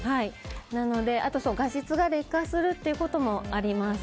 あと、画質が劣化するということもあります。